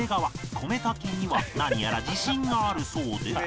米炊きには何やら自信があるそうで